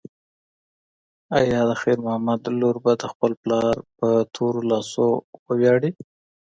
ایا د خیر محمد لور به د خپل پلار په تورو لاسو وویاړي؟